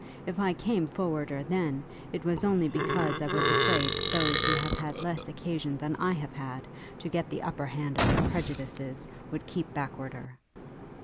If I came forwarder then, it was only because I was afraid that those who have had less occasion than I have had, to get the upper hand of their prejudices, would keep backwarder.'